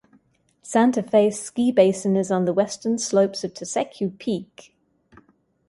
Santa Fe Ski Basin is on the western slopes of Tesuque Peak.